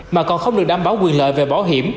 mà còn không được đảm bảo quyền lợi về bảo hiểm